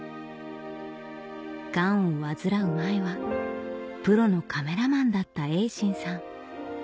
がんを患う前はプロのカメラマンだった英伸さん